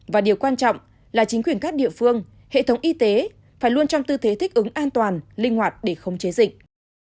và điều quan trọng là chính quyền các địa phương hệ thống y tế phải luôn trong tư thế thích ứng an toàn linh hoạt để không chế dịch